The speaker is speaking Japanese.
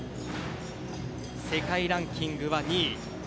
世界ランキングは２位。